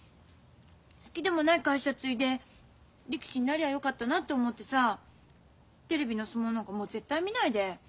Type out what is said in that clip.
好きでもない会社継いで力士になりゃよかったなって思ってさテレビの相撲なんかもう絶対見ないで。